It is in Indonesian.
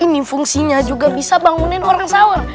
ini fungsinya juga bisa bangunin orang sahur